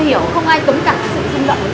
chối ông cô à với họ mẹ thì việc được xong